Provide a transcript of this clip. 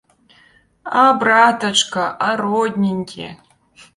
А братачка, а родненькі!